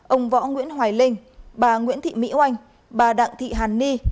ông võ nguyễn hoài linh bà nguyễn thị mỹ oanh bà đặng thị hàn ni